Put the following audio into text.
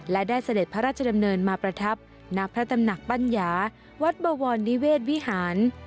และได้เสด็จพระราชดำเนินมาประทับณพระตำหนักปัญญาวัดบวรนิเวศวิหาร